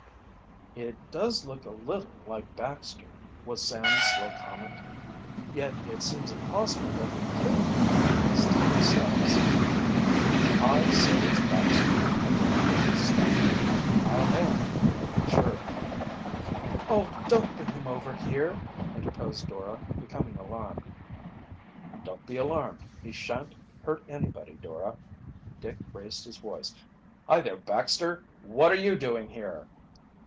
"It does look a little like Baxter," was Sam's slow comment. "Yet it seems impossible that he could be here, as Tom says." "I say it's Baxter," affirmed Dick stoutly, "I'll hail him and make sure." "Oh, don't bring him over here!" interposed Dora, becoming alarmed. "Don't be alarmed he shan't hurt anybody, Dora." Dick raised his voice. "Hi there, Baxter! What are you doing here?"